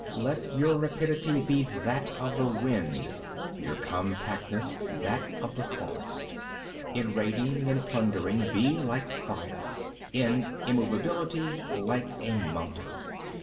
17. Let your rapidity be that of the wind, your compactness that of the forest. 18. In raiding and plundering be like fire, in immovability like a mountain. 19.